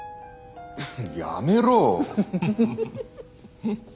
やめろ。